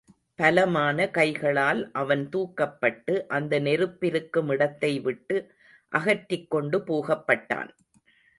பலமான கைகளால் அவன் தூக்கப்பட்டு, அந்த நெருப்பிருக்கும் இடத்தை விட்டு அகற்றிக் கொண்டு போகப்பட்டான்.